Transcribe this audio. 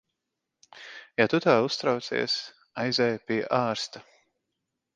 Ja tu tā uztraucies, aizej pie ārsta.